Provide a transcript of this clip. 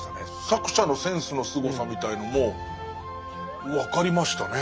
作者のセンスのすごさみたいのも分かりましたね。